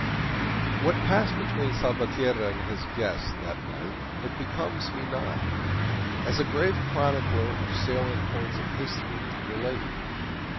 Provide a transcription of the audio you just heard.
What passed between Salvatierra and his guest that night it becomes me not, as a grave chronicler of the salient points of history, to relate.